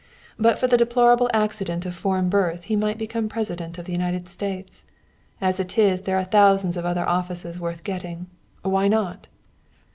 But for the deplorable accident of foreign birth he might become president of the United States. As it is, there are thousands of other offices worth getting why not?"